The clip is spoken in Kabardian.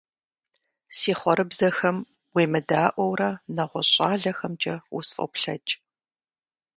Си хъуэрыбзэхэм уемыдаӀуэурэ, нэгъуэщӀ щӀалэхэмкӀэ усфӀоплъэкӀ.